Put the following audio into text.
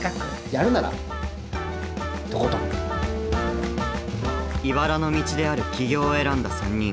やるならいばらの道である起業を選んだ３人。